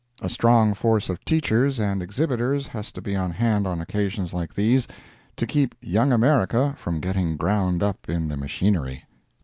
A strong force of Teachers and exhibitors has to be on hand on occasions like these, to keep Young America from getting ground up in the machinery.